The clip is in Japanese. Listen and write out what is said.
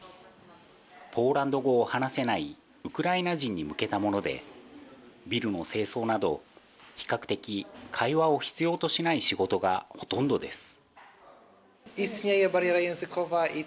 ポーランド語を話せないウクライナ人に向けたもので、ビルの清掃など比較的会話を必要としない仕事がほとんどです。